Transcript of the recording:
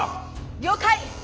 了解！